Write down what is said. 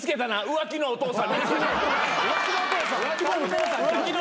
「浮気のお父さん」